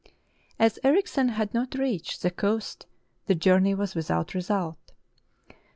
As Erichsen had not reached the coast the journey was without result.